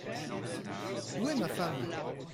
Où est ma femme ?